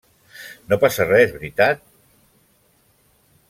No passa res, veritat?